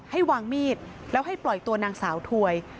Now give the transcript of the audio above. ให้วางมีดแล้วให้ปล่อยตัวนางสาวถวย